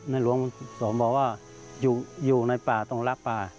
นายหลวงสมบัติว่าอยู่ในป่าตรงลากป่า